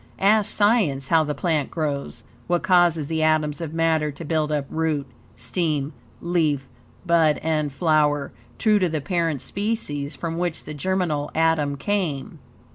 Ask Science HOW THE PLANT GROWS, what causes the atoms of matter to build up root, stem, leaf, bud and flower, true to the parent species from which the germinal atom came.